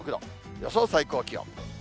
予想最高気温。